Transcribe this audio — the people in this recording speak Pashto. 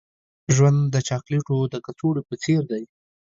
ژوند د چاکلیټو د کڅوړې په څیر دی.